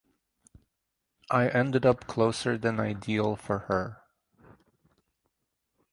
I ended up closer than ideal for her.